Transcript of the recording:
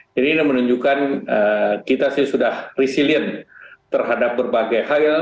jadi ini menunjukkan kita sudah resilient terhadap berbagai hal